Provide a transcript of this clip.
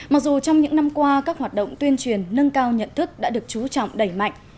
mặc dù trong những năm qua các hoạt động tuyên truyền nâng cao nhận thức đã được chú trọng đẩy mạnh